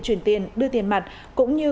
chuyển tiền đưa tiền mặt cũng như